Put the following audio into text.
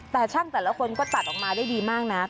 แต่ช่างแต่ละคนก็ตัดออกมาได้ดีมากนะ